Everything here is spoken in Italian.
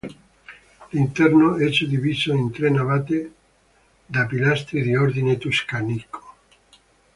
L'interno è suddiviso in tre navate da pilastri di ordine tuscanico.